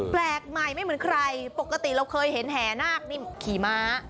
แปลกใหม่ไม่เหมือนใครปกติเราเคยเห็นแห่นาคนี่ขี่ม้า